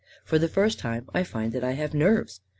For the first time I find that I have nerves.